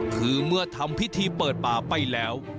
คือเมื่อทำพิธีเปิดป่าไปแล้ว